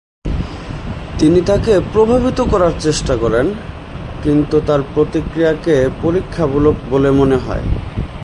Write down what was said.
তিনি তাকে প্রভাবিত করার চেষ্টা করেন, কিন্তু তার প্রতিক্রিয়াকে পরীক্ষামূলক বলে মনে হয়।